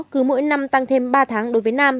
cứ mỗi năm tăng thêm ba tháng đối với nam